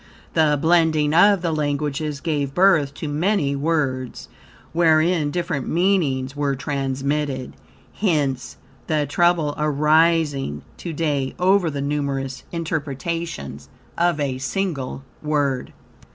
The blending of the languages gave birth to many words wherein different meanings were transmitted; hence, the trouble arising to day over the numerous interpretations of a single word.